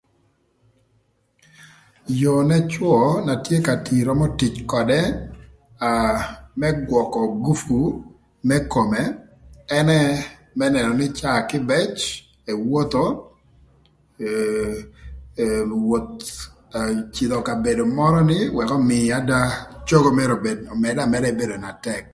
Yoo n'ëcwö na tye ka tii römö tic ködë aa më gwökö gupu më kome ënë më nënö nï caa kïbëc ewotho ee e woth cïdhö ï kabedo mörö ni ëk ömïï ada cogo mërë ömëdë amëda më bedo na tëk